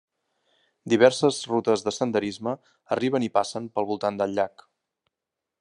Diverses rutes de senderisme arriben i passen pel voltant del llac.